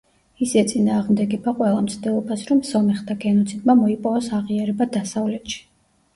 ის ეწინააღმდეგება ყველა მცდელობას, რომ სომეხთა გენოციდმა მოიპოვოს აღიარება დასავლეთში.